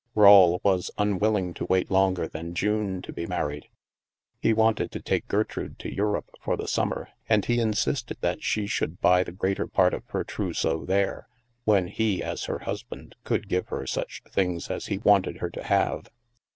Rawle was unwilling to wait longer than June to be married. He wanted to take Gertrude to Eu rope for the summer, and he insisted that she should buy the greater part of her trousseau there, when he, as her husband, could give her such things as he wanted her to have.